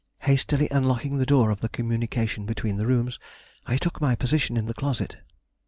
Hastily unlocking the door of the communication between the rooms, I took my position in the closet.